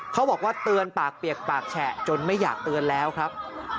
เขาบอกว่าเตือนปากเปียกปากแฉะจนไม่อยากเตือนแล้วครับ